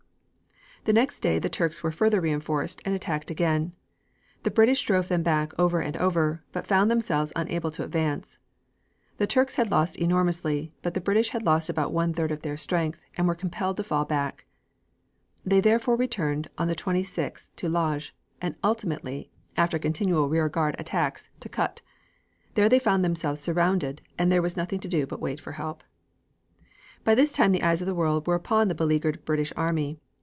The next day the Turks were further reinforced and attacked again. The British drove them back over and over, but found themselves unable to advance. The Turks had lost enormously but the English had lost about one third of their strength, and were compelled to fall back. They therefore returned on the 26th to Lajj, and ultimately, after continual rear guard actions, to Kut. There they found themselves surrounded, and there was nothing to do but to wait for help. By this time the eyes of the world were upon the beleaguered British army.